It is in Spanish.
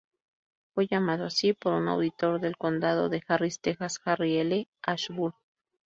Fue llamado así por un auditor del condado de Harris, Texas Harry L. Washburn.